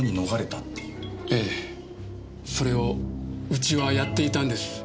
ええ。それをうちはやっていたんです